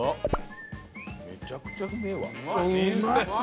めちゃくちゃうめえわ。